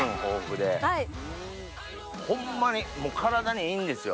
ホンマに体にいいんですよ。